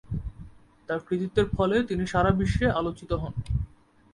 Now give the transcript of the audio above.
তার কৃতিত্বের ফলে তিনি সারা বিশ্বে আলোচিত হন।